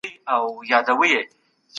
خپل فکر به یوازي په مثبتو چارو بوخت ساتئ.